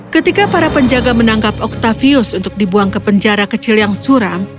ketika para penjaga menangkap octavius untuk dibuang ke penjara kecil yang suram